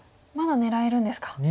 まだ狙えるんですか。